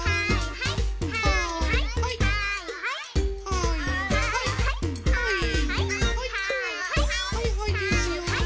はいはいはいはい。